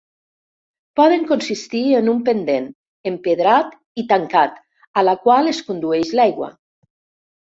Poden consistir en un pendent, empedrat i tancat, a la qual es condueix l'aigua.